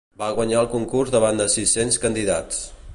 Va guanyar el concurs davant de sis-cents candidats.